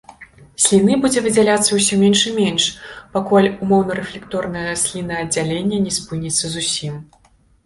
Сліны будзе выдзяляцца ўсё менш і менш, пакуль умоўнарэфлекторнае слінааддзяленне не спыніцца зусім.